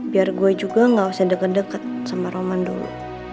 biar gue juga gak usah deket deket sama roman dulu